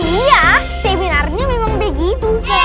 iya semilarnya memang begitunya